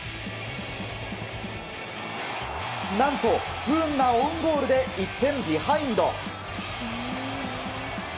何と不運なオウンゴールで１点ビハインド。